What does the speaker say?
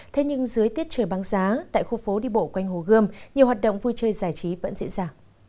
thế nhưng dưới tiết trời băng giá tại khu phố đi bộ quanh hồ gươm nhiều hoạt động vui chơi giải trí vẫn diễn ra